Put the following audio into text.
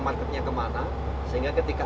marketnya kemana sehingga ketika